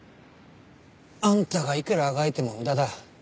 あんたがいくらあがいても無駄だ。